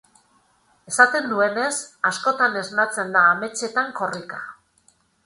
Esaten duenez, askotan esnatzen da ametsetan korrika.